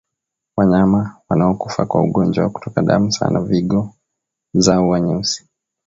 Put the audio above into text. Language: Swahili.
Wanayama wanaokufa kwa ugonjwa wa kutoka damu sana vigo zao huwa nyeusi